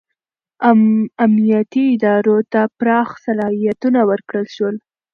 امنیتي ادارو ته پراخ صلاحیتونه ورکړل شول.